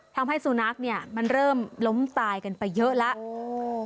ทำให้สุนัขเนี่ยมันเริ่มล้มตายกันไปเยอะแล้ว